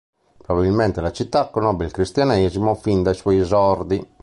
Probabilmente la città conobbe il cristianesimo fin dai suoi esordi.